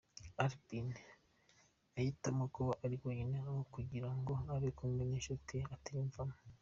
Aubin yahitamo kuba ari wenyine aho kugira ngo abe ari kumwe n’inshuti atiyumvamo.